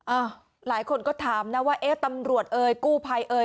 หลายคนก็ถามนะว่าเอ๊ะตำรวจเอ่ยกู้ภัยเอ่ย